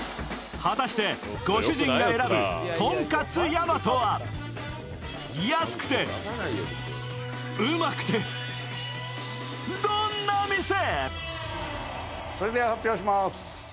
果たしてご主人が選ぶとんかつやまとは安くてウマくてどんな店？